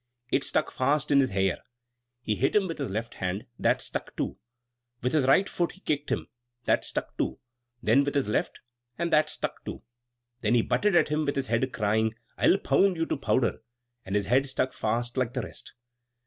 It stuck fast in his hair! He hit him with his left hand that stuck too! With his right foot he kicked him that stuck too; then with his left and that stuck too! Then he butted at him with his head, crying, "I'll pound you to powder!" and his head stuck fast like the rest.